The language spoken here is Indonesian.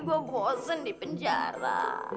gue bosen di penjara